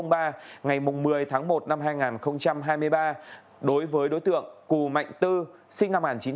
ngày một mươi tháng một năm hai nghìn hai mươi ba đối với đối tượng cù mạnh tư sinh năm một nghìn chín trăm tám mươi ba